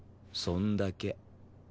そんだけ。